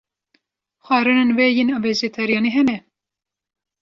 Xwarinên we yên vejeteryanî hene?